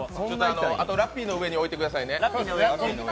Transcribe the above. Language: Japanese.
ラッピーの上に置いてくださいね。